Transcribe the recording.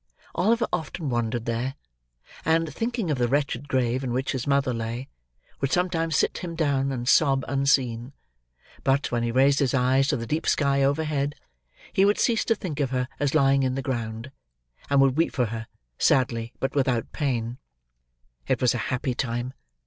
Oliver often wandered here; and, thinking of the wretched grave in which his mother lay, would sometimes sit him down and sob unseen; but, when he raised his eyes to the deep sky overhead, he would cease to think of her as lying in the ground, and would weep for her, sadly, but without pain. It was a happy time.